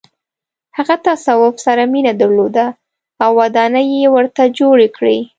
هغه تصوف سره مینه درلوده او ودانۍ یې ورته جوړې کړې.